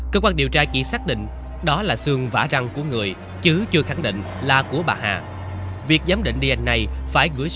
cơ quan điều tra chỉ xác định đó là xương và răng của người chứ chưa khẳng định của người khác